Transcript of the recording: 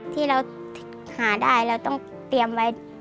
ที่เราหาได้เราต้องเตรียมไว้